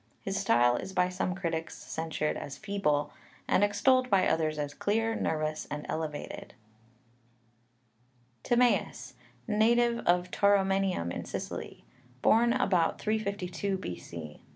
His style is by some critics censured as feeble, and extolled by others as clear, nervous, and elevated (Lübker and Pauly). TIMAEUS, a native of Tauromenium in Sicily; born about 352 B.C.